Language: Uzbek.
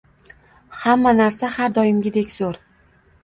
Hamma narsa har doimgidek zo'r